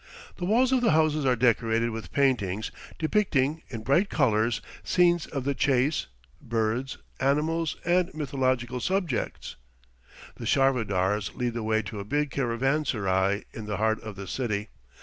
The walls of the houses are decorated with paintings depicting, in bright colors, scenes of the chase, birds, animals, and mythological subjects. The charvadars lead the way to a big caravanserai in the heart of the city.